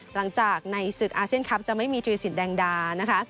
หลังจากในศึกอาเซียนคลับจะไม่มีที่วิสิทธิ์แดงดา